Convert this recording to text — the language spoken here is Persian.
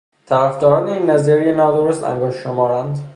طرفداران این نظریهٔ نادرست انگشت شمار اند.